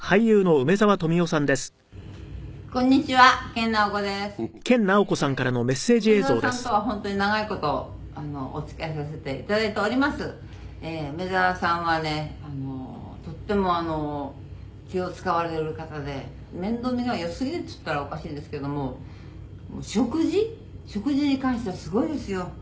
「梅沢さんとは本当に長い事お付き合いさせて頂いております」「梅沢さんはねとても気を使われる方で面倒見がよすぎるっていったらおかしいですけども食事食事に関してはすごいですよ」